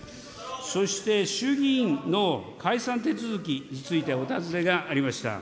そして衆議院の解散手続きについてお尋ねがありました。